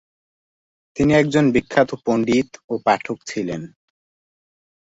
তিনি একজন বিখ্যাত পণ্ডিত ও পাঠক ছিলেন।